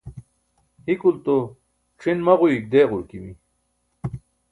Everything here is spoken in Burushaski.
hikulto c̣ʰin maġuyuik deeġurqimi